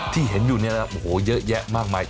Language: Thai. ที่เห็นอยู่เนี่ยโอ้โหเยอะแยะมากมาย